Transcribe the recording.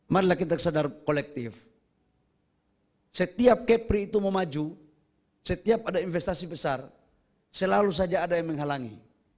marilah kita sadar kolektif setiap kepri itu mau maju setiap ada investasi besar selalu saja ada yang menghalangi